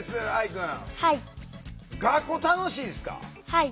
はい。